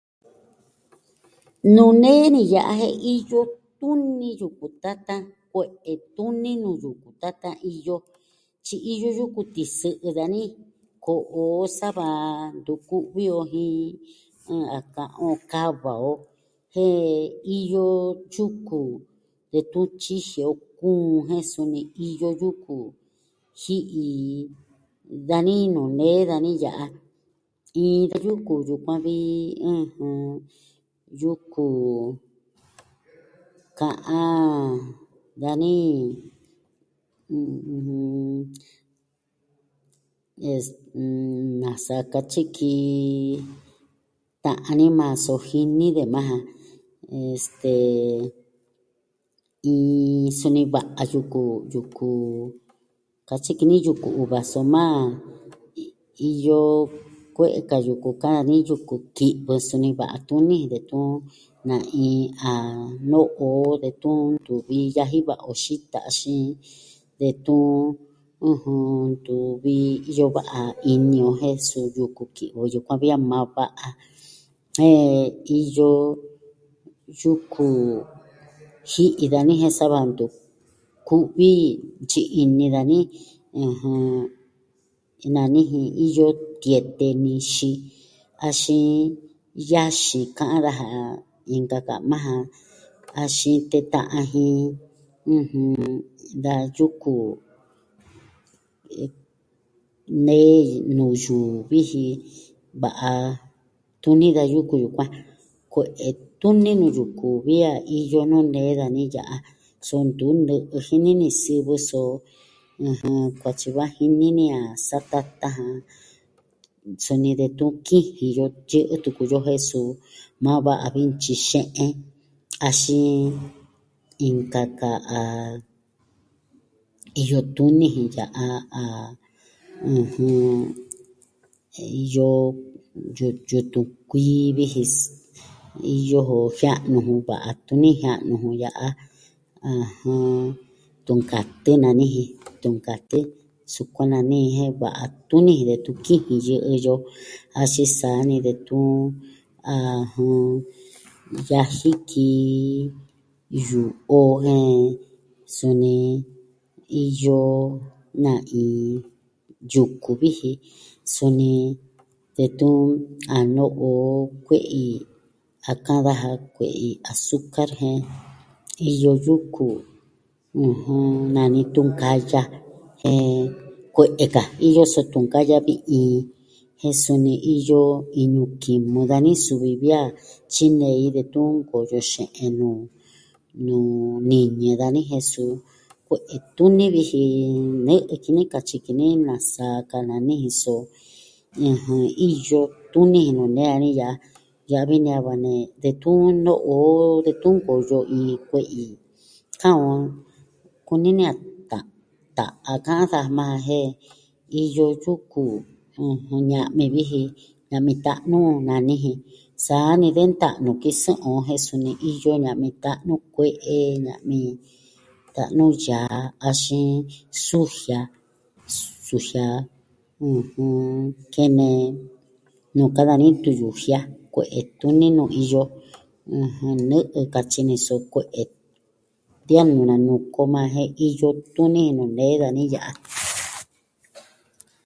Nuu nee ni ya'a jen iyo tuni yuku tatan. Kue'e tuni nuu yuku tatan iyo. Tyi iyo yuku tisɨ'ɨ dani, ko'o o sava ntu ku'vi o jin n... a ka'an on kava o. Jen iyo yuku, detun tyiji o kuun. Jen suni iyo yuku ji'i dani nuu nee dani ya'a. Iin da yuku yukuan vi, ɨjɨn... yuku ka'an dani, n... es... n... nasa katyi ki... Ta'an ni maa so jini de maa ja. Este... iin suni va'a yuku, yuku... katyi ki ni yuku uva, soma iyo kue'e ka yuku ka'an ni yuku ki'vɨ suni va'a tuni detun na'in a no'o detun ntuvi yaji va'a o xita. Axin detun ɨjɨn, ntuvi iyo va'a ini o jen so yuku ki'vɨ yukuan vi a maa va'a. Jen iyo yuku ji'i dani jen sava ntu ku'vi nutyi ini dani, ɨjɨn... Nani ji iyo tiete nixi axin yaxi ka'an daja inka ka maa ja. Axin teta'an jin, ɨjɨn, da yuku... eh... nee nuu yuu viji va'a tuni da yuku yukuan. Kue'e tuni nuu yuku vi a iyo nuu nee dani ya'a. So ntu nɨ'ɨ jini ni sivɨ. So, ɨjɨn... katyi va jini ni a satatan ja suni detun kijin yo, yɨ'ɨ tuku yo jen suu. Maa va vi ntyi xe'en, axin inka ka a... iyo tuni jin ya'a, ah... iyo... yu... yutun kuii vi ji. Iyo jo jia'nu ju. Va'a tuni jia'nu ju ya'a. ɨjɨn. Tunkatɨ nani jin. Tunkatɨ. Sukuan nani ji jen va'a tuni jen detun kijin yɨ'ɨ yo, axin saa ni detun, ah jɨn... yaji ki... yu'u o jen suni, iyo na'in yuku vi ji. Suni, detun a no'o o kue'i a ka'an daja kue'i asukar, jen iyo yuku nani tunkaya. Jen kue'e ka. Iyo so tunkaya vi iin. Jen suni iyo iñu kimu dani suvi vi a tyinei detun koyo xe'en nuu niñɨ dani jen suu kue'e tuni vi ji nɨ'ɨ ki ni katyi ki ni nasa ka nani jin so. ɨjɨn, iyo tuni jin nuu nee dani ya'a. Ya'a vi ne a va nee, detun no'o... detun koyo iin kue'i ka'an on kunini a ta... ta... a ka'an daja maa ja jen iyo yuku, ɨjɨn, ña'mi vijin. Ña'mi ta'nu nani jin. Saa ni de nta'nu ki sɨ'ɨn on jen suni iyo ña'mi ta'nu kue'e ña'mi ta'nu yaa, axin sujia. Sujia... ɨjɨn... kene nuu ka'an dani tuyujia, kue'e tuni nuu iyo. ɨjɨn, Nɨ'ɨ katyi ni so kue'e. De a nuu nanuku o maa jan jen iyo tuni nuu nee dani ya'a.